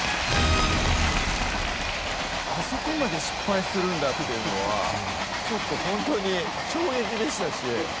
あそこまで失敗するんだっていうのはちょっとホントに衝撃でしたし。